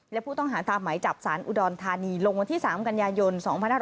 และผู้ต้องหาตามหมายจับสารอุดรธานีลงวันที่๓กันยายน๒๕๖๒